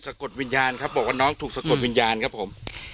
กดวิญญาณครับบอกว่าน้องถูกสะกดวิญญาณครับผม